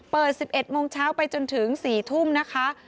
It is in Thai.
๑๑โมงเช้าไปจนถึง๔ทุ่มนะคะ